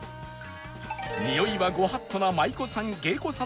においは御法度な舞妓さん